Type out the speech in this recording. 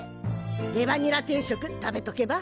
レバニラ定食食べとけば？